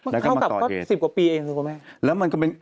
เท่ากับก็๑๐กว่าปีเองถูกไหม